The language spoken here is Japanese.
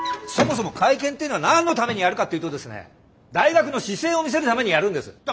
そもそも会見っていうのは何のためにやるかっていうとですね大学の姿勢を見せるためにやるんです！